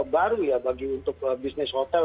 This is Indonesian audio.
baru ya bagi untuk bisnis hotel